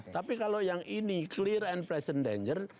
tapi kalau yang ini clear and present danger